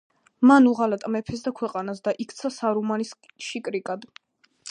მან უღალატა მეფეს და ქვეყანას და იქცა სარუმანის შიკრიკად.